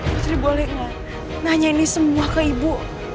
putri boleh gak nanya ini semua ke ibu